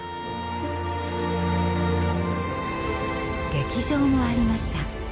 劇場もありました。